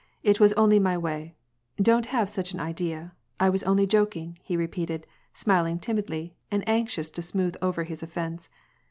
It was only my way. Don't have such an idea ; I was only joking," he repeated, smiling tim idly, and anxious to smooth over his offence.